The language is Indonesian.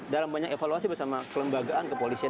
dalam banyak evaluasi bersama kelembagaan kepolisian